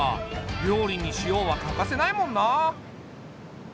料理に塩は欠かせないもんな。